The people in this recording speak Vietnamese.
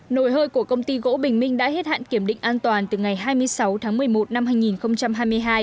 nồi hơi của công ty gỗ bình minh đã hết hạn kiểm định an toàn từ ngày hai mươi sáu tháng một mươi một năm hai nghìn hai mươi hai